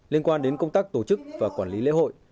liên quan đến công tác tổ chức và quản lý lễ hội